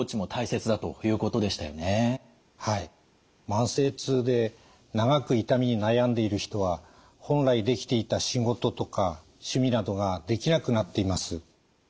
慢性痛で長く痛みに悩んでいる人は本来できていた仕事とか趣味などができなくなっています。